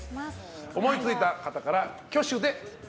思いついた方から挙手で。